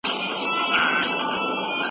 مسواک د انسان حافظه د پخوا په پرتله قوي کوي.